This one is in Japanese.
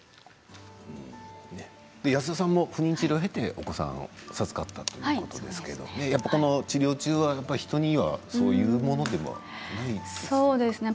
安田さんも不妊治療を経てお子さんを授かったということですけど治療中は人には言うものではないですかね。